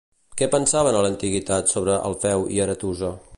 Què pensaven a l'antiguitat sobre Alfeu i Aretusa?